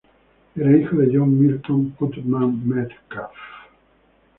Era hijo de John Milton Putnam Metcalf.